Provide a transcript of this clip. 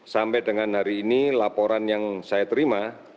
sampai dengan hari ini laporan yang saya terima